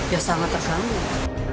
ya sama terkanggul